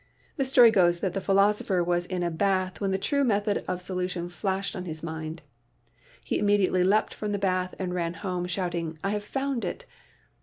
The story goes that the philosopher was in a bath when the true method of solution flashed on his mind. He immediately leapt from the bath and ran home, shouting, "I have found it